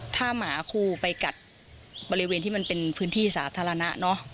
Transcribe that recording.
ถ้าหมาครูไปกัดบริเวณที่มันเป็นพื้นที่สาธารณะเนอะ